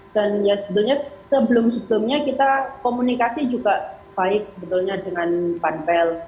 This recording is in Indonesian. dan ya sebetulnya sebelum sebelumnya kita komunikasi juga baik sebetulnya dengan panpel